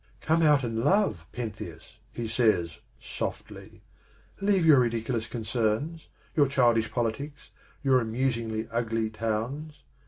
" Come out and love, Pentheus," he says softly; "leave your ridiculous concerns, your childish politics, your amusingly ugly towns.